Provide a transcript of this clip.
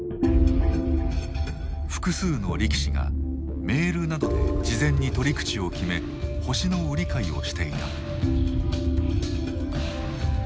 複数の力士がメールなどで事前に取り口を決め星の売り買いをしていた。